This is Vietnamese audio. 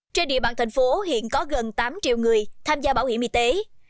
trên địa bàn thành phố hiện có gần tám triệu người tham gia bảo hiểm y tế